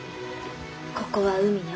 ここは海よ。